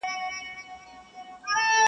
چي زما پښو ته یې ځینځیر جوړ کړ ته نه وې-